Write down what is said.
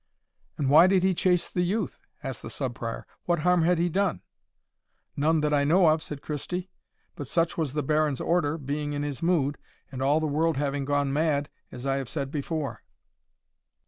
"And why did he chase the youth?" said the Sub Prior; "what harm had he done?" "None that I know of," said Christie; "but such was the Baron's order, being in his mood, and all the world having gone mad, as I have said before."